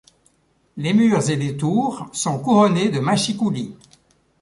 Les murs et les tours sont couronnées de mâchicoulis.